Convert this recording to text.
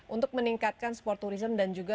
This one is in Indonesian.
untuk meningkatkan sport tourism dan juga